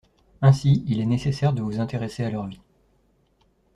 Ainsi, il est nécessaire de vous intéresser à leurs vies.